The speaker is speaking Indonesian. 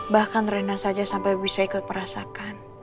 bahkan rena saja sampai bisa ikut merasakan